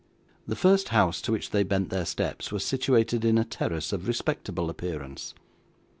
The first house to which they bent their steps, was situated in a terrace of respectable appearance.